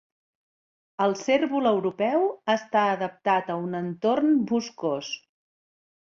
El cérvol europeu està adaptat a un entorn boscós.